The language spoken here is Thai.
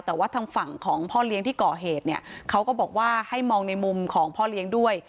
แต่ว่าทางฝั่งของพ่อเลี้ยงที่ก่อเหตุเนี่ยเขาก็บอกว่าให้มองในมุมของพ่อเลี้ยงด้วย